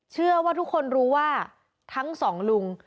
เชื่อว่าทุกคนรู้ว่าทั้งสองลุง